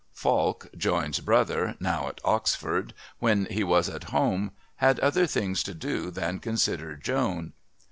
Falk, Joan's brother, now at Oxford, when he was at home had other things to do than consider Joan.